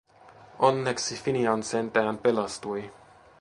Onneksi Finian sentään pelastui.